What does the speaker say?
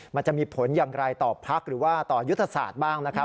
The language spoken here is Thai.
มันจะมีผลอย่างไรต่อพักหรือว่าต่อยุทธศาสตร์บ้างนะครับ